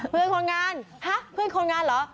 เพื่อนคนงานฮะเพื่อนคนงานเหรอ